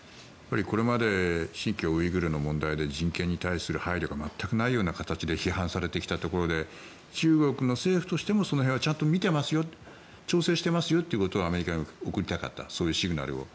これまで新疆ウイグルの問題で人権に対する配慮が全くない形で批判されてきたところで中国の政府としてもその辺はちゃんと見ていますよ調整していますよというアメリカに送りたかったそういうシグナルを。